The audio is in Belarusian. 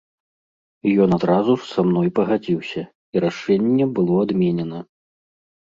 І ён адразу ж са мной пагадзіўся, і рашэнне было адменена.